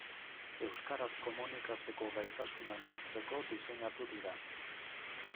Euskaraz komunikatzeko gaitasuna neurtzeko diseinatu dira.